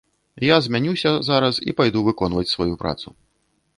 Я змянюся зараз і пайду выконваць сваю працу.